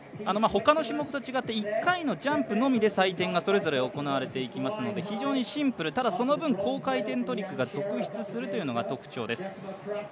他の種目と違って１回のジャンプのみで採点がそれぞれ行われていきますので非常にシンプル、ただその分高回転トリックが続出するというのが特徴です。